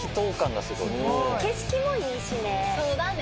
景色もいいしね。